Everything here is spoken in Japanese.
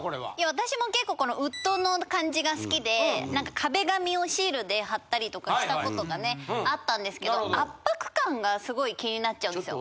私も結構このウッドの感じが好きで壁紙をシールで張ったりとかしたことがねあったんですけど圧迫感がすごい気になっちゃうんですよ。